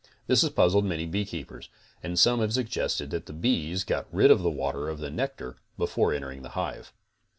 This has puzzled many beekeepers, and some have suggested that the bees got rid of the water of the nectar before entering the hive.